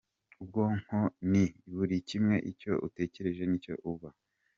Ubwonko ni buri kimwe, icyo utekereje nicyo uba.